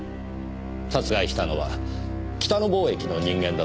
殺害したのは北野貿易の人間だと思われます。